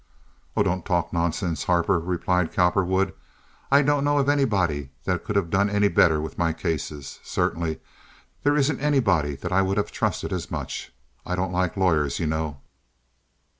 "Oh, don't talk nonsense, Harper," replied Cowperwood. "I don't know of anybody that could have done better with my case. Certainly there isn't anybody that I would have trusted as much. I don't like lawyers you know."